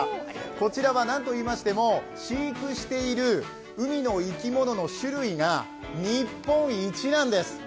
こちらはなんといいましても、飼育している海の生き物の種類が日本一なんです。